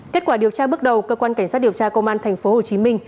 kết quả điều tra bước đầu cơ quan cảnh sát điều tra công an tp hcm